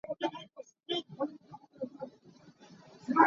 Na cauk kaa kalpi lai.